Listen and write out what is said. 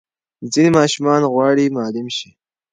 ځینې ماشومان غواړي معلم شي.